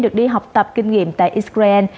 được đi học tập kinh nghiệm tại israel